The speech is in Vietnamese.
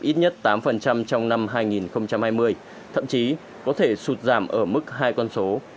ít nhất tám trong năm hai nghìn hai mươi thậm chí có thể sụt giảm ở mức hai con số